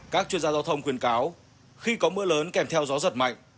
các chuyên gia giao thông khuyên cáo khi có mưa lớn kèm theo gió giật mạnh